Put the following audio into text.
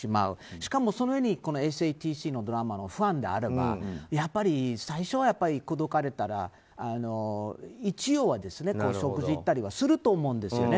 しかもそれに「ＳＡＴＣ」のドラマのファンであればやっぱり、最初は口説かれたら一応は食事に行ったりする人はすると思うんですね。